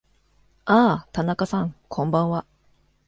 ああ、田中さん、こんばんは。